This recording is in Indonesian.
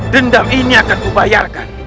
dendam ini akan kubayarkan